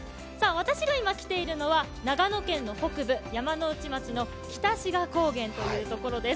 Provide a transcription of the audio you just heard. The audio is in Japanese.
私が今来ているのは長野県の北部、山ノ内町の北志賀高原というところです。